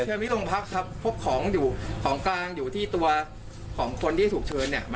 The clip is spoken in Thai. ที่เทอมเทบนี้ต้องพักครับพบของอยู่ของกลางอยู่ที่ตัวของอยู่ที่ตัว